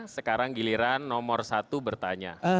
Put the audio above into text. sekarang giliran nomor satu bertanya